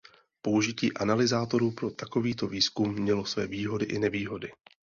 Použití analyzátoru pro takovýto výzkum mělo své výhody i nevýhody.